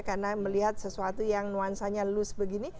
karena melihat sesuatu yang nuansanya lose begini